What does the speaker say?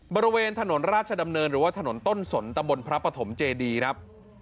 บริเวณถนนราชดำเนินหรือว่าถนนต้นสนตำบลพระปฐมเจดีครับ